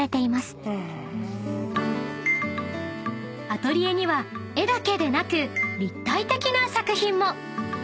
［アトリエには絵だけでなく立体的な作品も］